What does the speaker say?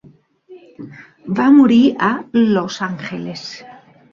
Va morir a Los Angeles.